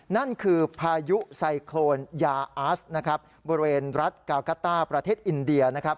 นั่นคือพายุไซคลวนยาอัสบริเวณรัฐกาวกัตต้าประเทศอินเดีย